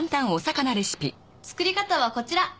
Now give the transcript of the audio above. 作り方はこちら！